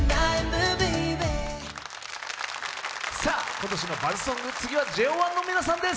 今年のバズりソング、次はＪＯ１の皆さんです。